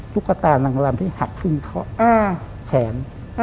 ทุกษาหลังที่หักขึ้นข้อแขก